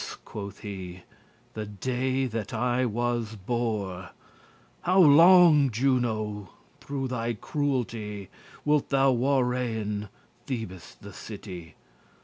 quoth he, "the day that I was bore! How longe, Juno, through thy cruelty Wilt thou warrayen* Thebes the city?